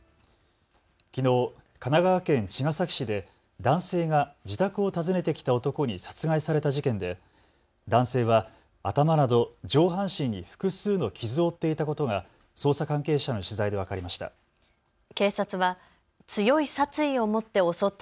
きのう神奈川県茅ヶ崎市で男性が自宅を訪ねてきた男に殺害された事件で男性は頭など上半身に複数の傷を負っていたことが捜査関係者への取材で分かりました。